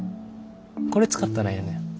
これ使ったらええねん。